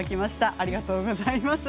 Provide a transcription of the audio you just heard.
ありがとうございます。